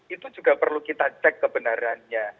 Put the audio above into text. itu juga perlu kita cek kebenarannya